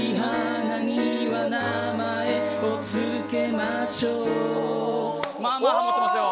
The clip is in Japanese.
まあまあハモってますよ。